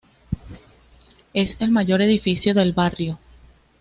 Es el mayor edificio del barrio.